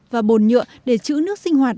và bồn nhựa để chữ nước sinh hoạt